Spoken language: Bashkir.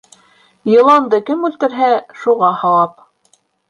Йыланды кем үлтерһә, шуға һауап.